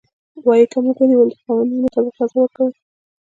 وايي که موږ ونيول د قوانينو مطابق جزا ورکوو.